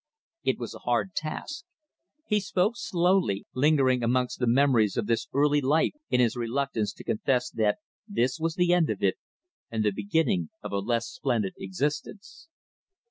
It was a hard task. He spoke slowly, lingering amongst the memories of this early life in his reluctance to confess that this was the end of it and the beginning of a less splendid existence.